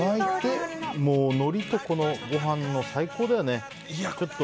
のりとご飯、最高だよね。